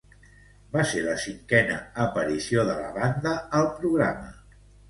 Va ser la cinquena aparició de la banda al programa.